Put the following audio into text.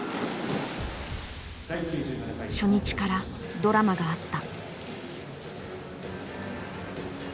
初日からドラマがあった。